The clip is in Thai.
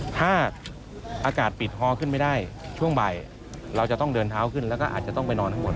ถ้าอากาศปิดฮอขึ้นไม่ได้ช่วงบ่ายเราจะต้องเดินเท้าขึ้นแล้วก็อาจจะต้องไปนอนข้างบน